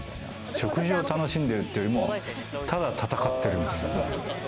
食事を楽しんでるというよりも、ただ戦ってる。